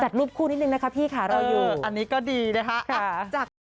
รูปคู่นิดนึงนะคะพี่ค่ะรออยู่อันนี้ก็ดีนะคะ